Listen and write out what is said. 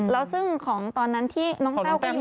แล้วซึ่งของตอนนั้นที่น้องแต้วเขาอยู่ในตรงนี้